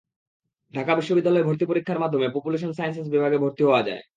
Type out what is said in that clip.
ঢাকা বিশ্ববিদ্যালয় ভর্তি পরীক্ষার মাধ্যমে পপুলেশন সায়েন্সেস বিভাগে ভর্তি হওয়া যায়।